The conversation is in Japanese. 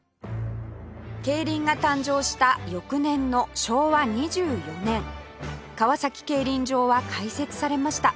競輪が誕生した翌年の昭和２４年川崎競輪場は開設されました